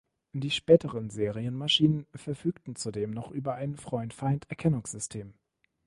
Die späteren Serienmaschinen verfügten zudem noch über ein Freund-Feind-Erkennungsystem.